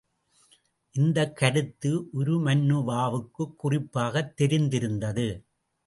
இந்தக் கருத்து உருமண்ணுவாவுக்குக் குறிப்பாகத் தெரிந்திருந்தது.